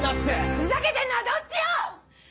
ふざけてんのはどっちよ‼